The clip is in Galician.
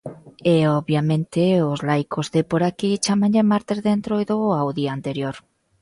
E, obviamente, os laicos de por aquí chámanlle martes de entroido ao día anterior.